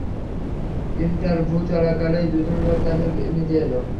Interview, চলাকালেই দু জন লোক তাঁকে নিতে এল।